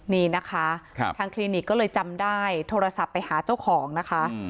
นี่นะคะทางคลินิกก็เลยจำได้โทรศัพท์ไปหาเจ้าของนะคะ